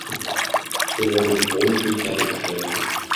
So wurde die Chronik nie fertiggestellt.